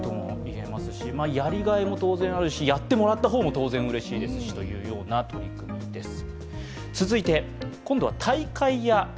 やりがいも当然あるしやってもらった方も当然うれしいですしというような取り組みです。